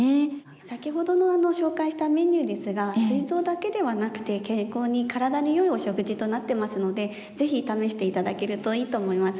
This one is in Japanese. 先ほどの紹介したメニューですがすい臓だけではなくて健康に体によいお食事となってますので是非試して頂けるといいと思います。